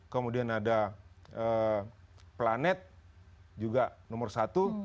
kemudian ada planet juga nomor satu